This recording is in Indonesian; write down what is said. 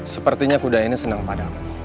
sepertinya kuda ini senang padam